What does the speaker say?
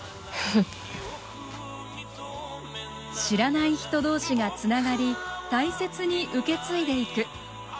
知らない人同士がつながり大切に受け継いでいく。